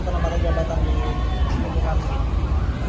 terlambat lambat gabatan di tni